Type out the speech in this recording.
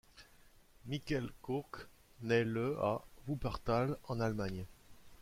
Michel Koch naît le à Wuppertal en Allemagne.